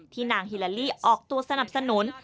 นางฮิลาลี่ออกตัวสนับสนุน